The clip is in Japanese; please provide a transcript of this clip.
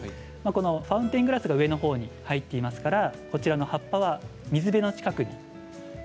ファウンテングラスの上の方に入っていますから葉っぱは水辺の近くに。